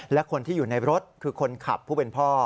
และคนที่อยู่ในรถคือคนขับผู้เป็นพ่อ